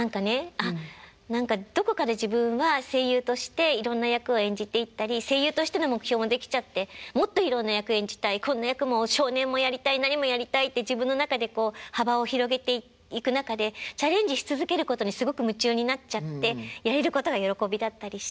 あっ何かどこかで自分は声優としていろんな役を演じていったり声優としての目標もできちゃってもっといろんな役を演じたいこんな役も少年もやりたい何もやりたいって自分の中でこう幅を広げていく中でチャレンジし続けることにすごく夢中になっちゃってやれることが喜びだったりして。